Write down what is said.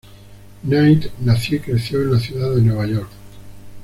Knight nació y creció en la Ciudad de Nueva York.